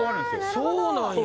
そうなんや。